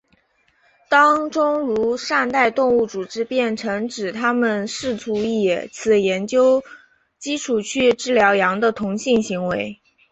当中如善待动物组织便曾指它们试图以此研究基础去治疗羊的同性行为。